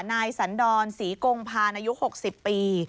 นายสันดรศรีกงพานอายุ๖๐ปี